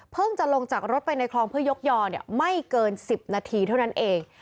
จะลงจากรถไปในคลองเพื่อยกยอไม่เกิน๑๐นาทีเท่านั้นเอง